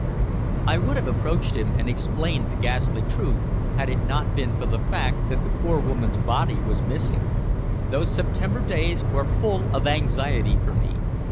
I would have approached him and explained the ghastly truth, had it not been for the fact that the poor woman's body was missing. Those September days were full of anxiety for me.